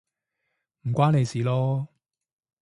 唔關你事囉